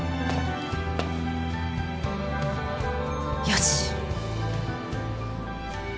よし！